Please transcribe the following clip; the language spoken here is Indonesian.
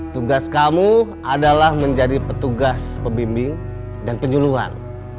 tugas kamu adalah menjadi petugas pembimbing dan penyuluhan